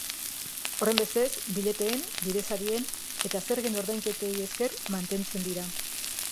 Horrenbestez, bileteen, bidesarien eta zergen ordainketei esker mantentzen dira.